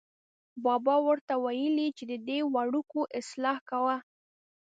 بابا ور ته ویلې چې ددې وړکو اصلاح کوه.